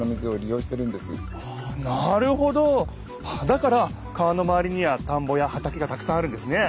だから川のまわりには田んぼや畑がたくさんあるんですね！